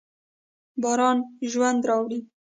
باران ژوند راوړي.